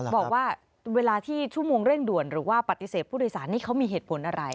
บอกว่าเวลาที่ชั่วโมงเร่งด่วนหรือว่าปฏิเสธผู้โดยสารนี่เขามีเหตุผลอะไร